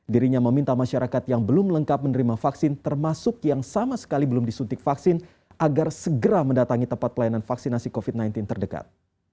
dirinya meminta masyarakat yang belum lengkap menerima vaksin termasuk yang sama sekali belum disuntik vaksin agar segera mendatangi tempat pelayanan vaksinasi covid sembilan belas terdekat